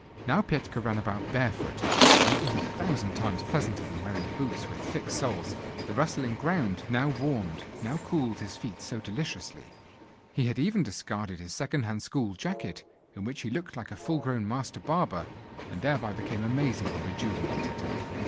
Now Petka ran about bare foot, and that was a thousand times pleasanter than wearing boots with thick soles: the rustling ground now warmed, now cooled his feet so deliciously. He had even discarded his second hand school jacket, in which he looked like a full grown master barber, and thereby became amazingly rejuvenated.